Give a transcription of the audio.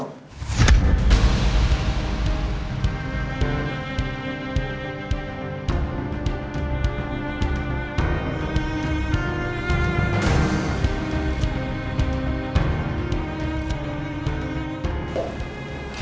ini begini cuma adik adik kamu